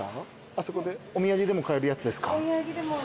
お土産でも買えるやつですか？